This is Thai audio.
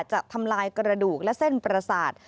จะทำลายกระดูกและเส้นประสาท